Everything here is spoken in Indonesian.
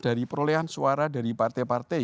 dari perolehan suara dari partai partai